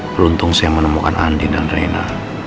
beruntung saya menemukan andi dan reina